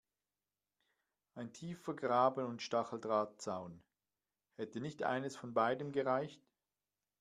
Ein tiefer Graben und Stacheldrahtzaun – hätte nicht eines von beidem gereicht?